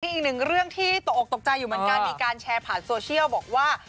อีกหนึ่งเรื่องที่ตกออกตกใจอยู่เหมือนกันมีการแชร์ผ่านโซเชียลบอกว่า